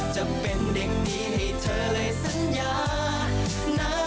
จะเป็นเด็กดีให้เธอเลยสัญญานะ